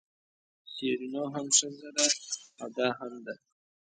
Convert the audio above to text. شیرینو هم ښځه ده او دا هم ده.